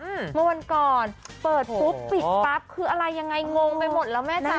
เมื่อวันก่อนเปิดปุ๊บปิดปั๊บคืออะไรยังไงงงไปหมดแล้วแม่จ๊